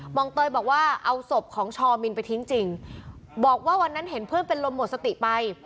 องเตยบอกว่าเอาศพของชอมินไปทิ้งจริงบอกว่าวันนั้นเห็นเพื่อนเป็นลมหมดสติไป